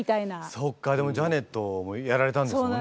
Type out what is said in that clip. そっかでもジャネットもやられたんですもんね。